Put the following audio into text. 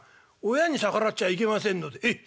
親に逆らっちゃいけませんのでええ。